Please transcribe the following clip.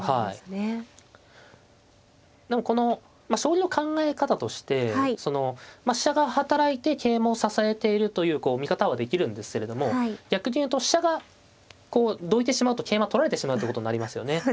でもこの将棋の考え方としてまあ飛車が働いて桂馬を支えているというこう見方はできるんですけれども逆に言うと飛車がこうどいてしまうと桂馬取られてしまうってことになりますよね。